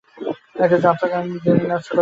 একটা যাত্রাগান দিন না ছোটবাবু, দেবেন?